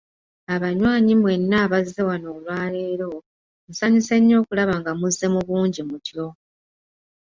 Abanywanyi mwenna abazze wano olwa leero, nsanyuse nnyo okulaba nga muzze mu bungi mutyo.